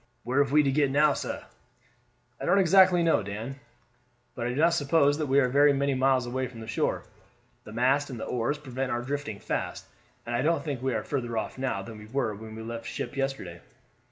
"Where have we get to now, sah?" "I don't exactly know, Dan; but I do not suppose that we are very many miles away from shore. The mast and oars prevent our drifting fast, and I don't think we are further off now than we were when we left that ship yesterday.